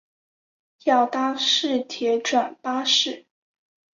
要搭市铁转巴士